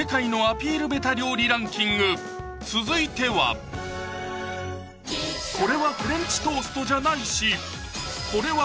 続いてはこれはフレンチトーストじゃないしこれは